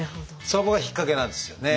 そこが引っかけなんですよね。